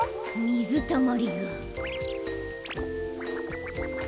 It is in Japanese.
みずたまりが。